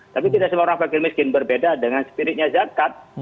tapi tidak semua orang fakir miskin berbeda dengan spiritnya zakat